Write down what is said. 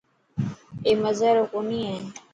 اي مزي رو ڪوني هي.